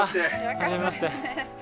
初めまして。